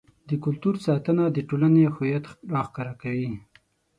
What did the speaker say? د کلتور ساتنه د ټولنې هویت راښکاره کوي.